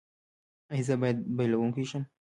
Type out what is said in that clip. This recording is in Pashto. ایا زه باید بایلونکی شم؟